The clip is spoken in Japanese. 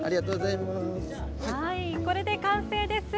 これで完成です。